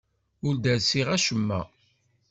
Ur derrseɣ acemma.